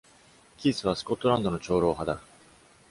キースはスコットランドの長老派だ。